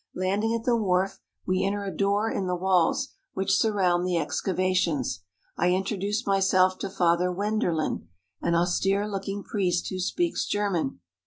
Landing at the wharf we enter a door in the walls which surround the excavations. I introduce myself to Father Wenderlin, an austere looking priest who speaks German.